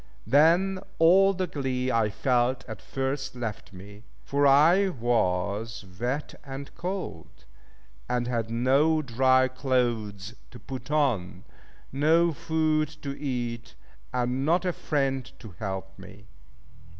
Then all the glee I felt at first left me; for I was wet and cold, and had no dry clothes to put on, no food to eat and not a friend to help me.